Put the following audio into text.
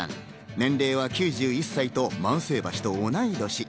年齢は９１歳と万世橋と同い年。